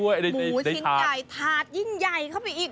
หมูชิ้นใหญ่ถาดยิ่งใหญ่เข้าไปอีก